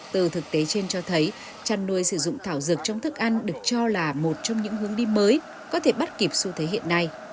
từ thực tế trên cho thấy chăn nuôi sử dụng thảo dược trong thức ăn được cho là một trong những hướng đi mới có thể bắt kịp xu thế hiện nay